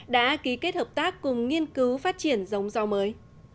đã ký kết hợp tác cùng nghiên cứu phát triển giống rau mới